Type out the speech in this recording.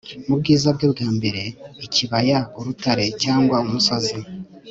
Mu bwiza bwe bwa mbere ikibaya urutare cyangwa umusozi